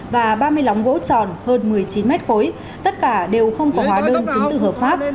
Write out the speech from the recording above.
và ba mươi năm gỗ tròn hơn một mươi chín mét khối tất cả đều không có hóa đơn chứng tử hợp pháp